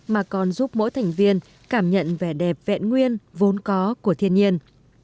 mà còn giúp mỗi thành viên cảm nhận vẻ đẹp vẹn nguyên vốn có của thiên nhiên